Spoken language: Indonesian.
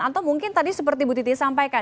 atau mungkin tadi seperti bu titi sampaikan